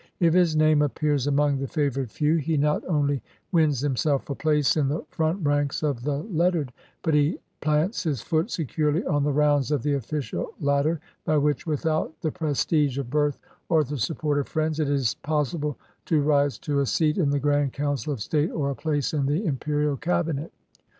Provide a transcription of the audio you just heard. If his name appears among the favored few, he not only wins himself a place in the front ranks of the lettered, but he plants his foot securely on the rounds of the official ladder by which, without the prestige of birth or the support of friends, it is possible to rise to a seat in the Grand Council of State or a place in the Imperial Cabinet.